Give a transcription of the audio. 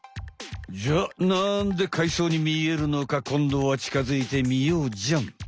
じゃあなんで海藻に見えるのかこんどはちかづいて見ようじゃん！